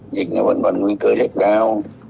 dịch này vẫn còn nguy cơ hệ cao